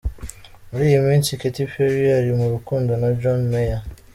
Muri iyi minsi Katy Perry ari mu rukundo na John Mayor.